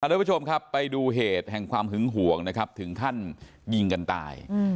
ทุกผู้ชมครับไปดูเหตุแห่งความหึงห่วงนะครับถึงขั้นยิงกันตาย